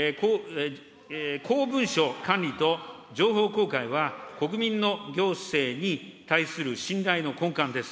公文書管理と情報公開は、国民の行政に対する信頼の根幹です。